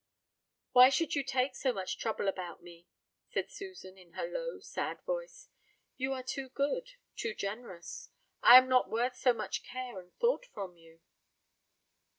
"Why should you take so much trouble about me?" said Susan, in her low sad voice. "You are too good, too generous. I am not worth so much care and thought from you."